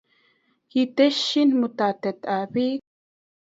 ketesyi mutetab biik